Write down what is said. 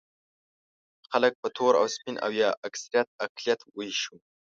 خلک په تور او سپین او یا اکثریت او اقلیت وېشو.